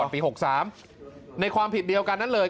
ปี๖๓ในความผิดเดียวกันนั้นเลย